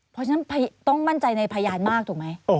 เพราะฉะนั้นต้องมั่นใจในพยานมากถูกไหม